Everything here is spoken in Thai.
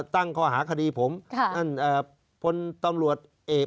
ตั้งครอบคราวอาคดีผมค่ะนั่นอ่ะวภนตำรวชเอกภรรย์